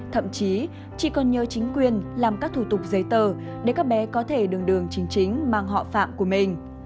thậm chí chị còn nhờ chính quyền làm các thủ tục giấy tờ để các bé có thể đường đường chính chính mang họ phạm của mình